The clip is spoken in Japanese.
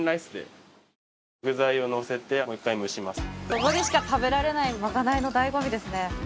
ここでしか食べられないまかないの醍醐味ですね。